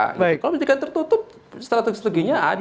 kalau penyelidikan tertutup strategi seginya ada